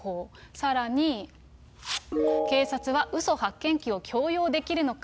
さらに、警察はうそ発見器を強要できるのか？